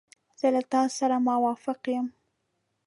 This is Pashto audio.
زه له تا سره موافق یم.